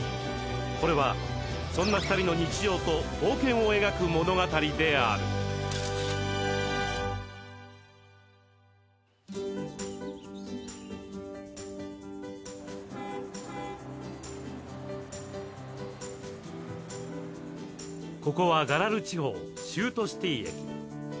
これはそんな２人の日常と冒険を描く物語であるここはガラル地方シュートシティ駅。